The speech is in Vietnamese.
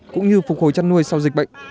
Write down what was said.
cũng như phục hồi chăn nuôi sau dịch bệnh